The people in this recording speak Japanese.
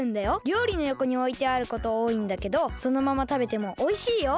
りょうりのよこにおいてあることおおいんだけどそのままたべてもおいしいよ。